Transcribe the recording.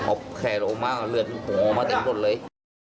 ออกแข่ลูกมาเลือดผมออกมาติดต่อเลย